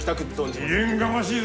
未練がましいぞ。